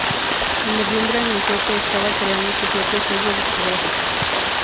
En noviembre anunció que estaba creando su propio sello discográfico.